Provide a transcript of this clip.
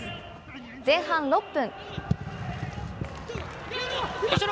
前半６分。